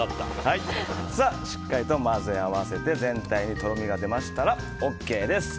しっかりと混ぜ合わせて全体にとろみが出ましたらＯＫです。